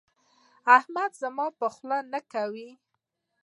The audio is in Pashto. احمد زما په خوله نه کوي.